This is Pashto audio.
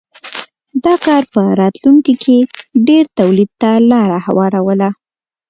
دا کار په راتلونکې کې ډېر تولید ته لار هواروله.